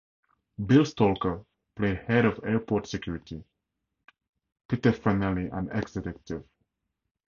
Bill Stalker, played head of airport security Peter Fanelli, an ex-detective.